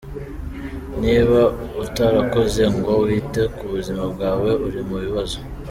Niba utarakoze ngo wite ku buzima bwawe, uri mu bibazo.